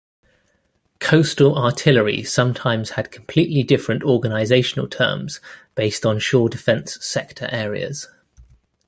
Coastal artillery sometimes had completely different organizational terms based on shore defence sector areas.